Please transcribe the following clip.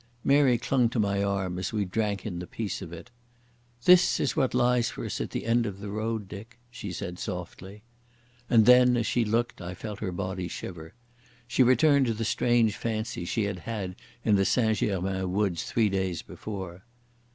Mary clung to my arm as we drank in the peace of it. "That is what lies for us at the end of the road, Dick," she said softly. And then, as she looked, I felt her body shiver. She returned to the strange fancy she had had in the St Germains woods three days before.